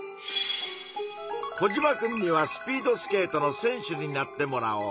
コジマくんには「スピードスケートの選手」になってもらおう。